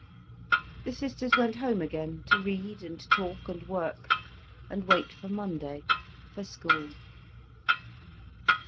The sisters went home again, to read and talk and work, and wait for Monday, for school.